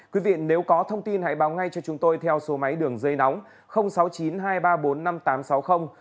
quý vị nếu có thông tin hãy báo ngay cho chúng tôi theo số máy đường dây nóng sáu mươi chín hai trăm ba mươi bốn năm nghìn tám trăm sáu mươi